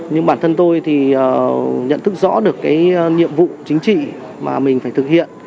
nhưng bản thân tôi thì nhận thức rõ được cái nhiệm vụ chính trị mà mình phải thực hiện